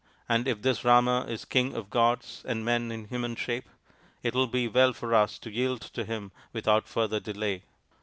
" And if this Rama is king of gods and men in human shape, it will be well for us to yield to him without further delay."